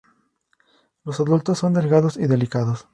Los adultos son delgados y delicados.